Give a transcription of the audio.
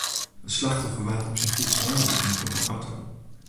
It slachtoffer waard op syn fyts oanriden troch in auto.